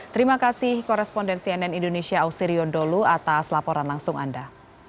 terima kasih korespondensi nn indonesia ausirion dholu atas laporan langsung anda